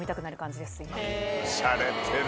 しゃれてる。